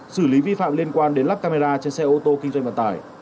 xử lý vi phạm liên quan đến lắp camera trên xe ô tô kinh doanh vận tải